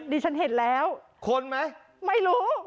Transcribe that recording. ฉันเห็นแล้วคนไหมไม่รู้